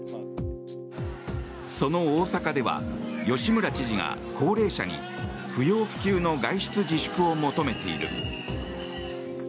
その大阪では吉村知事が高齢者に不要不急の外出自粛を求めている。